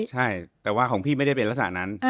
ใช่แต่ว่าของพี่ไม่ได้เป็นลักษณะนั้น